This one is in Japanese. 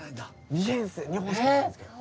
２編成２本しかないんですけど。